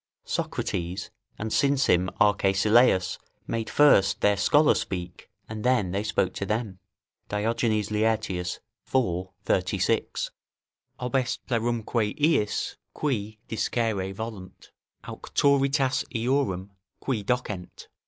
Socrates, and since him Arcesilaus, made first their scholars speak, and then they spoke to them [Diogenes Laertius, iv. 36.] "Obest plerumque iis, qui discere volunt, auctoritas eorum, qui docent."